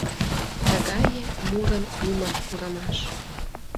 Тыгае мурын ӱмыр курымаш!